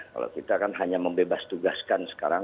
kalau kita kan hanya membebas tugaskan sekarang